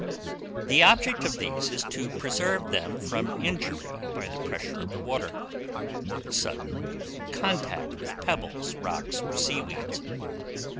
The object of these is to preserve them from injury by the pressure of the water, or the sudden contact with pebbles, rocks, or sea weeds.